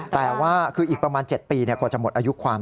แต่ว่าคืออีกประมาณ๗ปีกว่าจะหมดอายุความ